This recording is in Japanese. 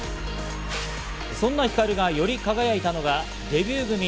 そんなＨＩＫＡＲＵがより輝いたのが、デビュー組。